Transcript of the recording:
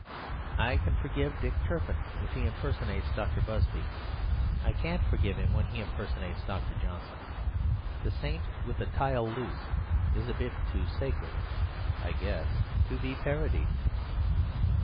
I can forgive Dick Turpin if he impersonates Dr. Busby; I can't forgive him when he impersonates Dr. Johnson. The saint with a tile loose is a bit too sacred, I guess, to be parodied."